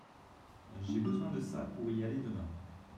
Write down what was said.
J’ai besoin de ça pour y aller demain.